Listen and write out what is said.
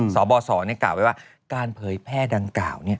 สบสกล่าวไว้ว่าการเผยแพร่ดังกล่าว